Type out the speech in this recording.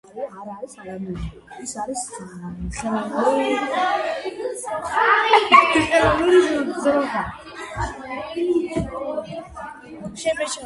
ფართოდ გამოიკვლია აღმოსავლეთ ევროპის, ციმბირისა და ჩრდილოეთ ამერიკის ბაქნების რიგი საკითხები.